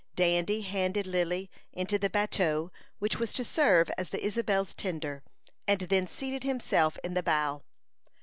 Dandy handed Lily into the bateau which was to serve as the Isabel's tender, and then seated himself in the bow.